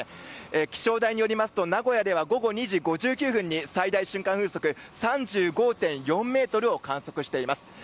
気象台によりますと名古屋では午後２時５９分に最大瞬間風速３５．４メートルを観測しています。